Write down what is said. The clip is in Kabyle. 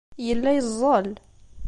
Yella yeẓẓel.